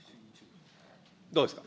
どうですか。